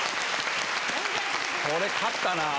これ勝ったな。